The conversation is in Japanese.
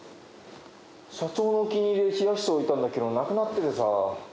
社長のお気に入りで冷やしておいたんだけどなくなっててさ。